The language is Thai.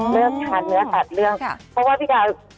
เลือกทานเนื้อตัดเรื่องเพราะว่าพี่การ